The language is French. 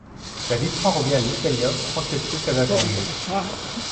La victoire revient à l’Italien Francesco Casagrande.